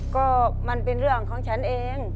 ก็มันเป็นเรื่องของฉันเอง